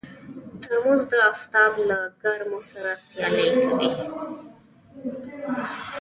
ترموز د افتاب له ګرمو سره سیالي کوي.